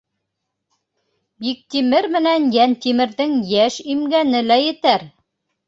Биктимер менән Йәнтимерҙең йәш имгәне лә етәр!